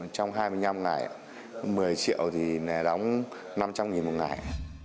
trong hai mươi năm ngày một mươi triệu thì nè đóng năm trăm linh một ngày